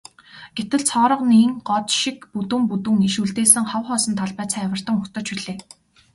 Гэтэл цооргонын год шиг бүдүүн бүдүүн иш үлдээсэн хов хоосон талбай цайвартан угтаж билээ.